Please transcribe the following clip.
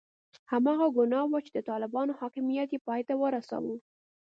هماغه ګناه وه چې د طالبانو حاکمیت یې پای ته ورساوه.